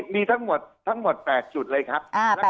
มีทั้งหมด๘จุดเลยครับ